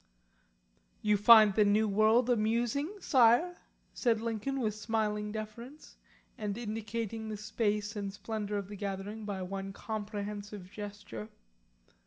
"You find the new world amusing, Sire?" asked Lincoln, with smiling deference, and indicating the space and splendour of the gathering by one comprehensive gesture.